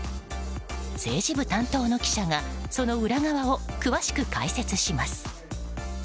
政治部担当の記者が、その裏側を詳しく解説します。